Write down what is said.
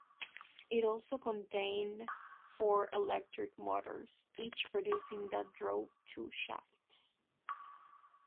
It also contained four electric motors each producing that drove two shafts.